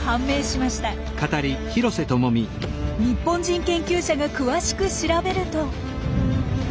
日本人研究者が詳しく調べると。